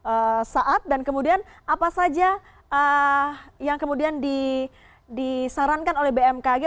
kemudian saat dan kemudian apa saja yang kemudian disarankan oleh bmkg